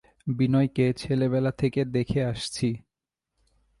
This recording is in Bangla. বিনয়কে ছেলেবেলা থেকে দেখে আসছি।